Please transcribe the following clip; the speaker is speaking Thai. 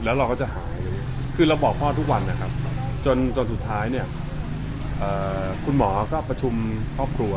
แล้วเราก็จะหายคือเราบอกพ่อทุกวันนะครับจนสุดท้ายเนี่ยคุณหมอก็ประชุมครอบครัว